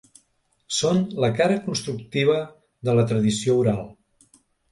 Són la cara constructiva de la tradició oral.